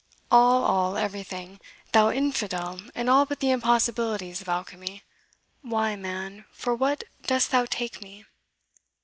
"All, all, and everything, thou infidel in all but the impossibilities of alchemy. Why, man, for what dost thou take me?"